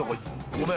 ごめん。